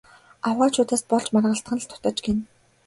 Авгайчуудаас болж маргалдах л дутаж гэнэ.